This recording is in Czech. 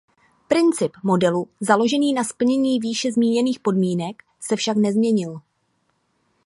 Princip modelu založený na splnění výše zmíněných podmínek se však nezměnil.